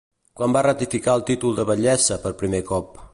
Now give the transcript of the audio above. Quan va ratificar el títol de batllessa per primer cop?